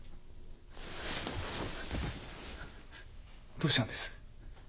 どうしたんです？